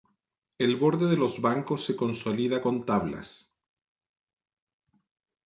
El borde de los bancos se consolida con tablas.